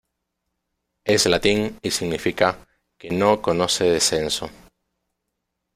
Es latín y significa "que no conoce descenso".